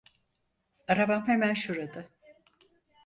Arabam hemen şurada.